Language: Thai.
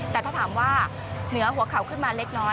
แต่ถ้าถามว่าเหนือหัวเข่าขึ้นมาเล็กน้อย